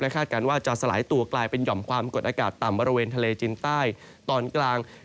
คาดการณ์ว่าจะสลายตัวกลายเป็นหย่อมความกดอากาศต่ำบริเวณทะเลจินใต้ตอนกลาง